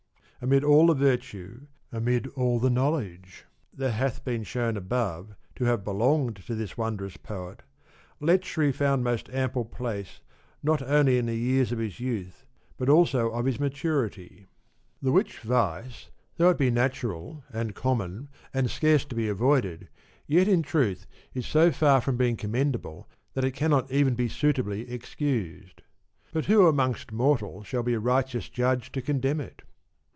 Amid all the virtue, amid all the knowledge, that hath been shewn above to have belonged to this wondrous poet, lecherj' found most ample place not only in the years of his youth but also of his maturity ; the which vice, though it be natural, 80 and common, and scarce to be avoided, yet in truth is so far from being commendable that it cannot even be suitably excused. But vv^ho amongst mortals shall be a righteous judge to condemn it